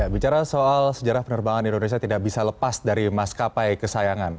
bicara soal sejarah penerbangan indonesia tidak bisa lepas dari maskapai kesayangan